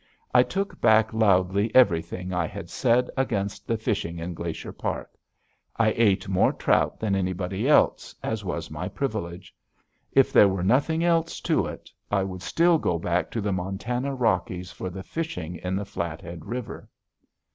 I took back loudly everything I had said against the fishing in Glacier Park. I ate more trout than anybody else, as was my privilege. If there were nothing else to it, I would still go back to the Montana Rockies for the fishing in the Flathead River.